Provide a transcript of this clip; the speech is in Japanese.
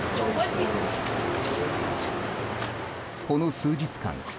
この数日間